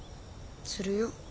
するよ。